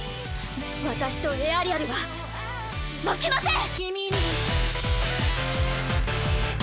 私とエアリアルは負けません！